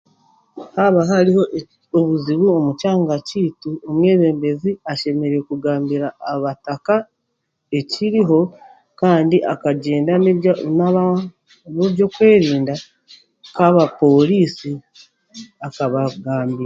Haaaba hariho ekizibu omu kyanga kyaitu, omwebembezi ashemereire kugambira abataka ekiriho kandi akagyenda n'ebya n'aba n'eby'okwerinda nka abaporiisi akabagambira.